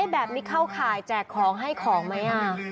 แบบนี้เข้าข่ายแจกของให้ของไหม